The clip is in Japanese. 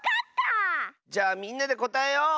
じゃあみんなでこたえよう！